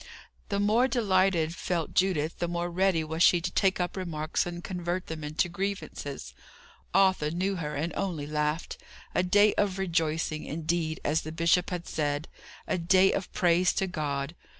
The more delighted felt Judith, the more ready was she to take up remarks and convert them into grievances. Arthur knew her, and only laughed. A day of rejoicing, indeed, as the bishop had said. A day of praise to God.